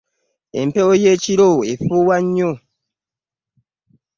Empewo y'ekiro efuuwa nnyo.